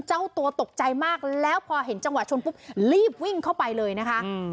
เจ้าตัวตกใจมากแล้วพอเห็นจังหวะชนปุ๊บรีบวิ่งเข้าไปเลยนะคะ